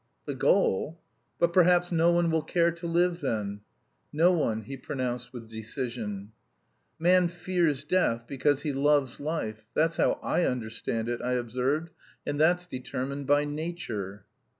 "The goal? But perhaps no one will care to live then?" "No one," he pronounced with decision. "Man fears death because he loves life. That's how I understand it," I observed, "and that's determined by nature."